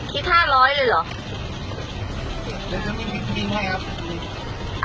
คิด๕๐๐เลยหรอ